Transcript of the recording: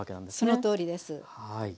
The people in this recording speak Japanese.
そのとおりです。